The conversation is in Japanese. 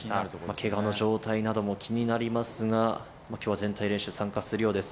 けがの状態なども気になりますが、きょうは全体練習、参加するようです。